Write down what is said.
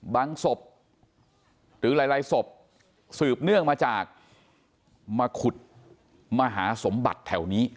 ศพหรือหลายศพสืบเนื่องมาจากมาขุดมาหาสมบัติแถวนี้